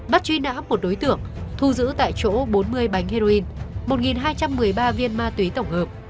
bắt truy nã một đối tượng thu giữ tại chỗ bốn mươi bánh heroin một hai trăm một mươi ba viên ma túy tổng hợp